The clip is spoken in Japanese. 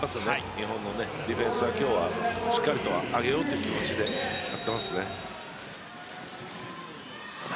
日本のディフェンスは今日はしっかり上げようという気持ちでやっていますね。